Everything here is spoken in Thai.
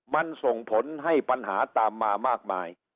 มันส่งผลให้ปัญหาตามมามากมาย